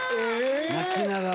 泣きながら！